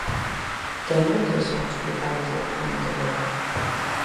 Quen ou que son os culpábeis do quecemento global?